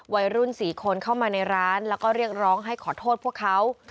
วัยรุ่น๔คนเข้ามาในร้านแล้วก็เรียกร้องให้ขอโทษพวกเขา